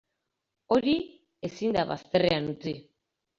Hori ezin da bazterrean utzi.